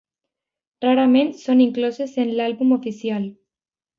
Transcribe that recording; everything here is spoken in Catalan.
Rarament són incloses en l'àlbum oficial.